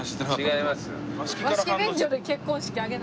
違います。